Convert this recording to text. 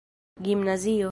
gimnazio